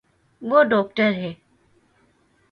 وہ داکٹر ہے